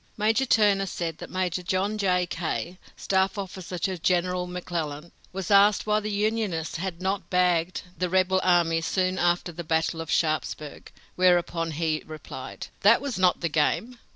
Major Turner said that Major John J. Key, staff officer to General McClellan, was asked why the Unionists had not bagged the rebel army soon after the battle of Sharpsburg, whereupon he replied: "That was not the game!